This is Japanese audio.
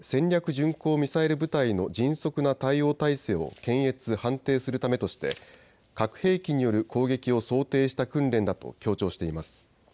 巡航ミサイル部隊の迅速な対応態勢を検閲、判定するためとして核兵器による攻撃を想定した訓練だと強調しています。